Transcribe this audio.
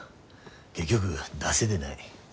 結局出せでない。